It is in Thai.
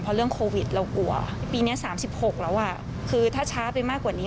เพราะเรื่องโควิดเรากลัวปีนี้๓๖แล้วอ่ะคือถ้าช้าไปมากกว่านี้